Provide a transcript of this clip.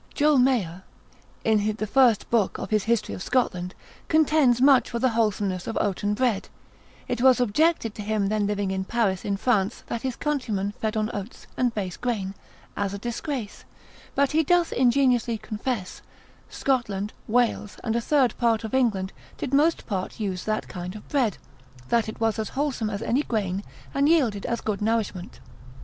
Joh. Mayor, in the first book of his History of Scotland, contends much for the wholesomeness of oaten bread: it was objected to him then living at Paris in France, that his countrymen fed on oats, and base grain, as a disgrace; but he doth ingenuously confess, Scotland, Wales, and a third part of England, did most part use that kind of bread, that it was as wholesome as any grain, and yielded as good nourishment.